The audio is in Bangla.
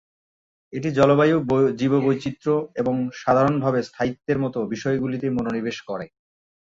এটি জলবায়ু, জীববৈচিত্র্য এবং সাধারণভাবে স্থায়িত্বের মতো বিষয়গুলিতে মনোনিবেশ করে।